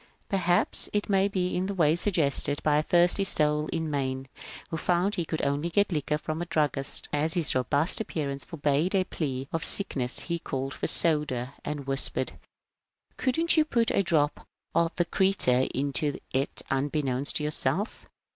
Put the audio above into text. Perhaps it may be in the way suggested by a thirsty soul in Maine who found he could only get liquor from a druggist; as his robust appearance for bade the plea of sickness, he called for soda, and whispered, ^ Could n't you put a drop o' the creeter intu it unbeknownst 346 MONCURE DANIEL CONWAY to yourself?